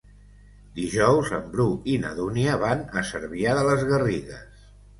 Dijous en Bru i na Dúnia van a Cervià de les Garrigues.